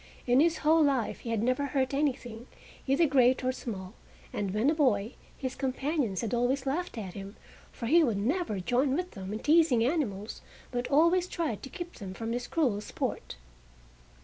In his whole life he had never hurt anything, either great or small, and when a boy, his companions had always laughed at him, for he would never join with them in teasing animals, but always tried to keep them from this cruel sport.